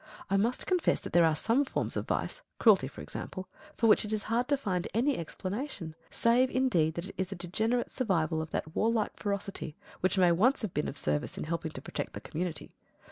I must confess that there are some forms of vice, cruelty for example, for which it is hard to find any explanation, save indeed that it is a degenerate survival of that war like ferocity which may once have been of service in helping to protect the community.